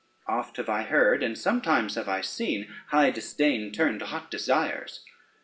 Oft have I heard, and sometimes have I seen, high disdain turned to hot desires.